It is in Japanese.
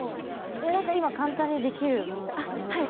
え何か今簡単にできるものとかありますか？